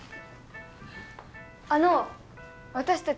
あの私たち